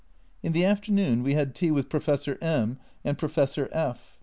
In the afternoon we had tea with Professor A/ and Professor F